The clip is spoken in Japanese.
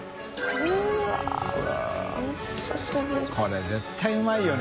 海絶対うまいよね。